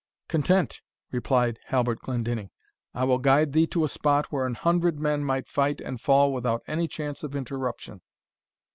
"Content," replied Halbert Glendinning: "I will guide thee to a spot where an hundred men might fight and fall without any chance of interruption."